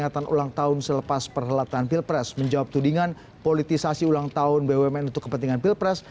peringatan ulang tahun selepas perhelatan pilpres menjawab tudingan politisasi ulang tahun bumn untuk kepentingan pilpres